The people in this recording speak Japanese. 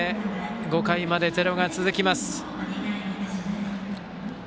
５回までゼロが続きます。